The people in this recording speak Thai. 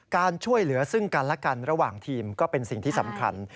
การช่วยเหลือซึ่งกันและกันระหว่างทีมก็เป็นสิ่งที่สำคัญ